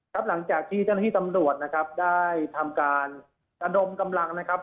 ครับหลังจากที่เจ้าหน้าที่ตำรวจนะครับได้ทำการระดมกำลังนะครับ